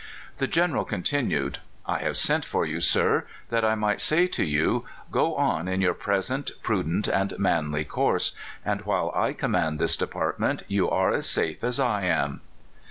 The General continued : "I have sent for you, sir, that I might say to youj Go on in your present prudent and manly course, and while I command this department you are as safe as I am."